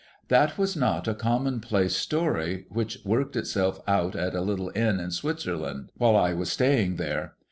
That was not a commonplace story which worked itself out at a little Inn in Switzerland, while I was staying there.